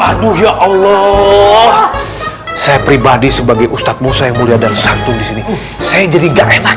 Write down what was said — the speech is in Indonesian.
aduh ya allah saya pribadi sebagai ustadz musa yang mulia dan santun disini saya jadi gak enak